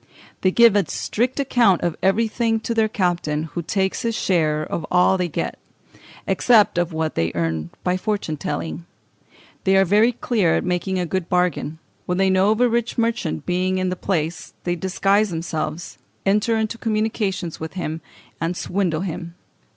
They give a strict account of everything to their captain, who takes his share of all they get, except of what they earn by fortune telling. They are very clever at making a good bargain; when they know of a rich merchant being in the place, they disguise themselves, enter into communications with him, and swindle him